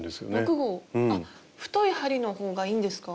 太い針のほうがいいんですか？